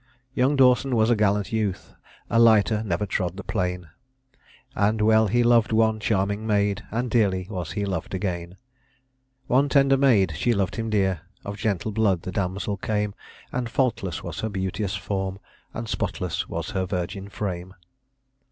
Young Dawson was a gallant youth, A lighter never trod the plain; And well he loved one charming maid, And dearly was he loved again. One tender maid, she loved him dear, Of gentle blood the damsel came; And faultless was her beauteous form, And spotless was her virgin fame.